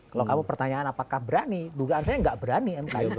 kalau kamu pertanyaan apakah berani dugaan saya nggak berani mk itu